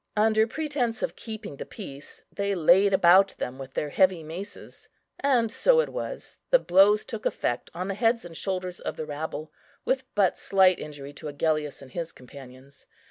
Under pretence of keeping the peace, they laid about them with their heavy maces; and so it was, the blows took effect on the heads and shoulders of the rabble, with but slight injury to Agellius and his companions.